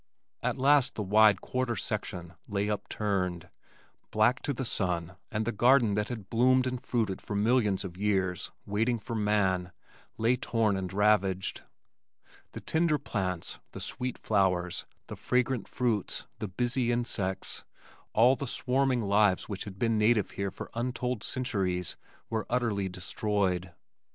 At last the wide "quarter section" lay upturned, black to the sun and the garden that had bloomed and fruited for millions of years, waiting for man, lay torn and ravaged. The tender plants, the sweet flowers, the fragrant fruits, the busy insects, all the swarming lives which had been native here for untold centuries were utterly destroyed.